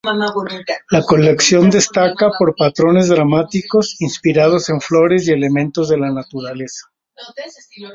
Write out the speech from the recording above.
La colección destaca por patrones dramáticos inspirados en flores y elementos de la naturaleza.